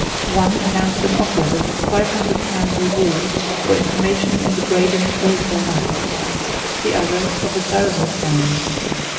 One announced an offer of five hundred pounds reward for information in the Braden Collishaw matter; the other, of a thousand pounds.